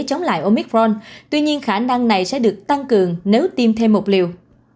chống lại omicron tuy nhiên khả năng này sẽ được tăng cường nếu tiêm thêm một liều